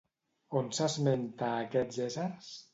On s'esmenta a aquests éssers?